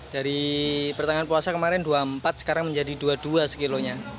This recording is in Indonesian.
dari pertengahan puasa kemarin dua puluh empat sekarang menjadi dua puluh dua sekilonya